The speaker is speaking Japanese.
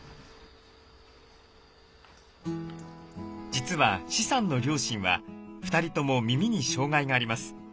実は施さんの両親は２人とも耳に障がいがあります。